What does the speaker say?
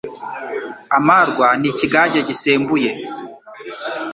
Amarwa ni Ikigage gisembuye